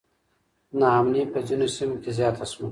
نا امني په ځینو سیمو کې زیاته سوه.